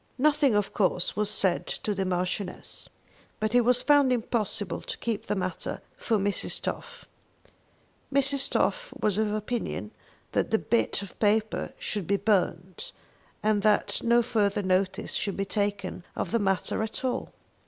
Nothing, of course, was said to the Marchioness, but it was found impossible to keep the matter from Mrs. Toff. Mrs. Toff was of opinion that the bit of paper should be burned, and that no further notice should be taken of the matter at all.